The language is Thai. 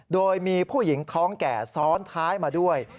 โดยมีผู้หญิงท้องแก่ซ้อนท้ายมาด้วย